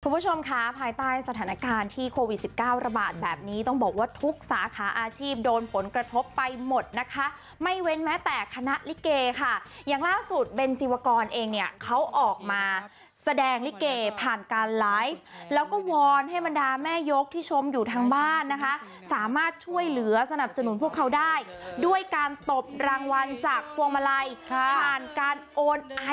คุณผู้ชมค่ะภายใต้สถานการณ์ที่โควิดสิบเก้าระบาดแบบนี้ต้องบอกว่าทุกสาขาอาชีพโดนผลกระทบไปหมดนะคะไม่เว้นแม้แต่คณะลิเกค่ะอย่างล่าสุดเบนซิวากรเองเนี่ยเขาออกมาแสดงลิเกผ่านการไลฟ์แล้วก็วอนให้บรรดาแม่ยกที่ชมอยู่ทางบ้านนะคะสามารถช่วยเหลือสนับสนุนพวกเขาได้ด้วยการตบรางวัลจากพวงมาลัยผ่านการโอน